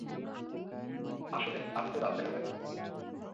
আসলে, আমি তো রাতজাগা পাখি।